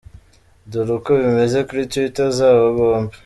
Dore uko bimeze kuri twitter zabo bombi:.